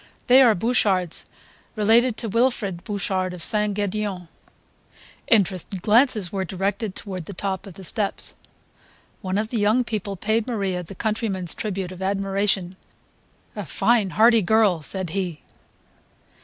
They are Bouchards, related to Wilfrid Bouchard of St. Gedeon ..." Interested glances were directed toward the top of the steps. One of the young people paid Maria the countryman's tribute of admiration "A fine hearty girl!" said he.